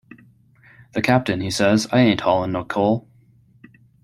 The Captain, he says, 'I ain't haulin' no coal!